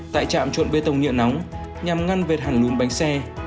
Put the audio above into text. tại trạm trộn bê tông nhựa nóng nhằm ngăn vệt hàng lùm bánh xe